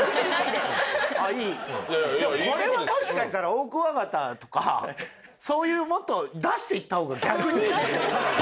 でもこれはもしかしたらオオクワガタとかそういうもっと出していった方が逆にいい。